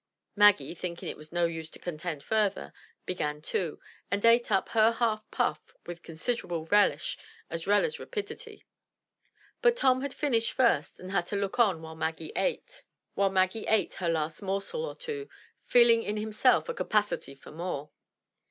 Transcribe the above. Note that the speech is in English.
Maggie, thinking it was no use to contend further, began too, and ate up her half puff with considerable relish as well as rapidity. But Tom had finished first and had to look on while Maggie ate 218 THE TREASURE CHEST her last morsel or two, feeling in himself a capacity for more.